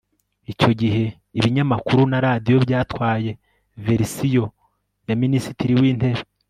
icyo gihe. ibinyamakuru na radiyo byatwaye verisiyo ya minisitiri w'intebe